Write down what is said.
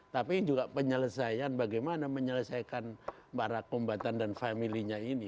tapi juga penyelesaian bagaimana menyelesaikan barak kombatan dan family nya ini